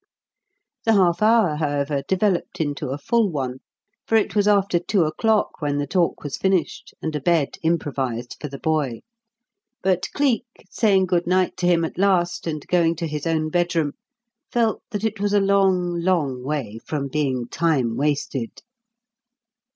The half hour, however, developed into a full one; for it was after two o'clock when the talk was finished and a bed improvised for the boy; but Cleek, saying good night to him at last and going to his own bedroom, felt that it was a long, long way from being time wasted.